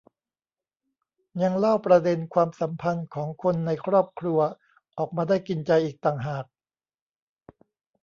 ยังเล่าประเด็นความสัมพันธ์ของคนในครอบครัวออกมาได้กินใจอีกต่างหาก